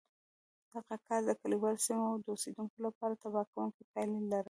دغه کار د کلیوالي سیمو د اوسېدونکو لپاره تباه کوونکې پایلې لرلې